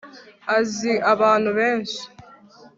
azi abantu benshi